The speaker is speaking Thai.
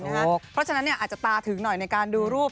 เพราะฉะนั้นอาจจะตาถึงหน่อยในการดูรูป